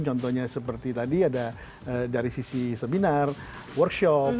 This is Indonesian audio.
contohnya seperti tadi ada dari sisi seminar workshop